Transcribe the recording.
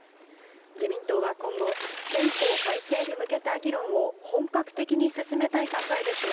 自民党は今後、憲法改正に向けた議論を本格的に進めたい考えですが、